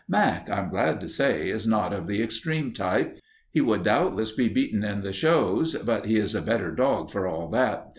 Mac, I am glad to say, is not of the extreme type. He would doubtless be beaten in the shows, but he is a better dog, for all that.